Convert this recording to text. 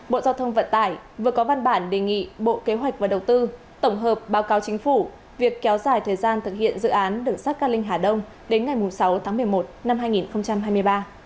bộ giao thông vận tải vừa có văn bản đề nghị bộ kế hoạch và đầu tư tổng hợp báo cáo chính phủ việc kéo dài thời gian thực hiện dự án đường sát cát linh hà đông đến ngày sáu tháng một mươi một năm hai nghìn hai mươi ba